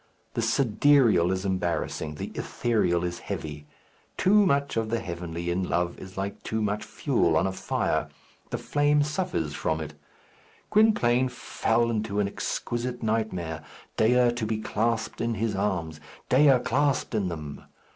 The sidereal is embarrassing, the ethereal is heavy. Too much of the heavenly in love is like too much fuel on a fire: the flame suffers from it. Gwynplaine fell into an exquisite nightmare; Dea to be clasped in his arms Dea clasped in them!